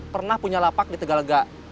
pernah punya lapak di tegalega